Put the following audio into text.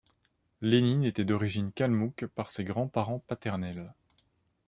Lénine était d’origine kalmouke par ses grands-parents paternels.